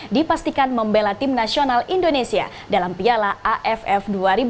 dipastikan membela tim nasional indonesia dalam piala aff dua ribu dua puluh